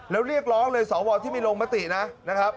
แล้วเรียกร้องเลยสวที่ไม่ลงมตินะครับ